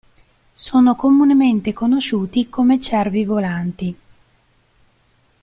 Sono comunemente conosciuti come cervi volanti.